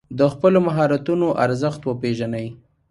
د خپلو مهارتونو ارزښت وپېژنئ.